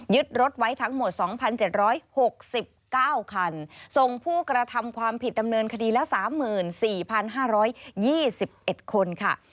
รถไว้ทั้งหมด๒๗๖๙คันส่งผู้กระทำความผิดดำเนินคดีแล้ว๓๔๕๒๑คนค่ะ